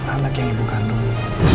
anak yang ibu kandung